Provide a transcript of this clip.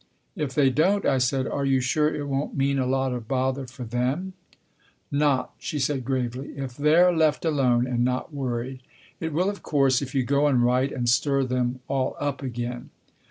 " If they don't," I said, " are you sure it won't mean a lot of bother for them P "" Not," she said gravely, " if they're left alone and not worried. It will, of course, if you go and write and stir them all up again."